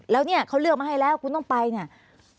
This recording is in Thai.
แล้วเนี่ยเขาเลือกมาให้แล้วคุณต้องไปเนี่ย